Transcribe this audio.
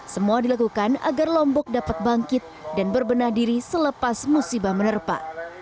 semua dilakukan agar lombok dapat bangkit dan berbenah diri selepas musibah menerpa